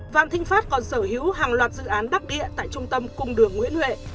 phan thịnh pháp còn sở hữu hàng loạt dự án đắc địa tại trung tâm cung đường nguyễn huệ